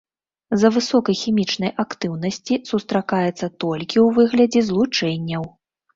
З-за высокай хімічнай актыўнасці сустракаецца толькі ў выглядзе злучэнняў.